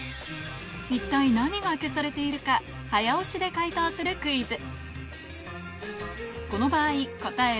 一体何が消されているか早押しで解答するクイズ